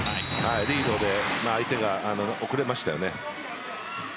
リードで相手が遅れましたよね。